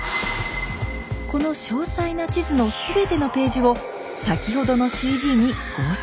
この詳細な地図の全てのページを先ほどのＣＧに合成！